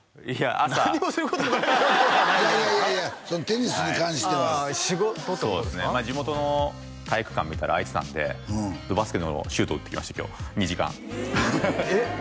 「何もすることがない」ということはないいやいやいやいやテニスに関してはそうですねまあ地元の体育館見たら開いてたんでバスケのシュート打ってきました今日２時間えっ？